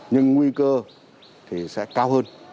nhưng nguy cơ thì sẽ cao hơn